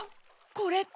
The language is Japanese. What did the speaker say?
これって。